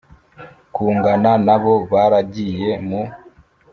kungana n abo baragiye mu